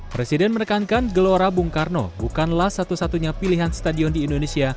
presiden menekankan gelora bung karno bukanlah satu satunya pilihan stadion di indonesia